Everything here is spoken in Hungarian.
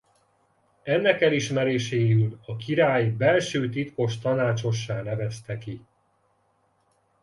Ennek elismeréséül a király belső titkos tanácsossá nevezte ki.